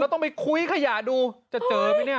ต้องไปคุ้ยขยะดูจะเจอไหมเนี่ย